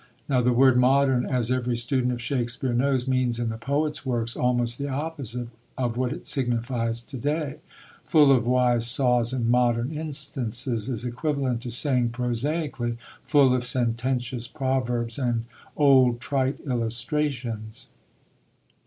Now the word "modern," as every student of Shakespeare knows, means in the poet's works almost the opposite of what it signifies to day. "Full of wise saws and modern instances" is equivalent to saying prosaically, "full of sententious proverbs and old, trite illustrations."